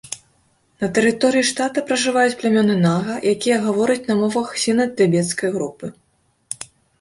На тэрыторыі штата пражываюць плямёны нага, якія гавораць на мовах сіна-тыбецкай групы.